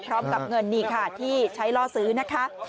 พร้อมกับเงินนี่ค่ะที่ใช้ล่อซื้อนะคะ